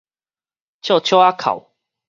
笑笑仔哭